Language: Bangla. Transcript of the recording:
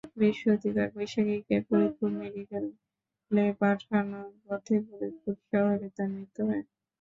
বৃহস্পতিবার বৈশাখীকে ফরিদপুর মেডিকেলে পাঠানোর পথে ফরিদপুর শহরে তার মৃত্যু হয়।